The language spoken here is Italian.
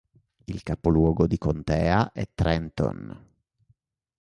Il capoluogo di contea è Trenton.